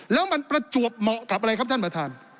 แล้วมันประจวบเหมาะกับอะไรครับท่านประธาน